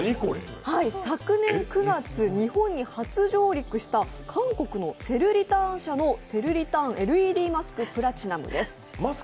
昨年９月、日本に初上陸した韓国セルリターン社のセルリターンＬＥＤマスク・プラチナムです。